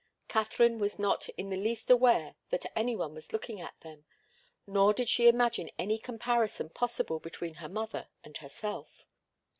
Katharine was not in the least aware that any one was looking at them, nor did she imagine any comparison possible between her mother and herself.